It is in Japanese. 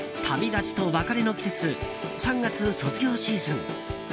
旅立ちと別れの季節３月、卒業シーズン。